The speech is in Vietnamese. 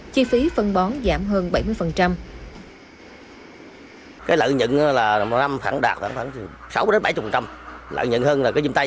chi phí phân bón giảm hơn bảy mươi